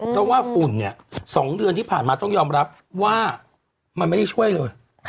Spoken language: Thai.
เพราะว่าฝุ่นเนี่ย๒เดือนที่ผ่านมาต้องยอมรับว่ามันไม่ได้ช่วยเลย